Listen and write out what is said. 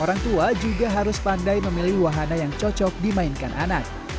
orang tua juga harus pandai memilih wahana yang cocok dimainkan anak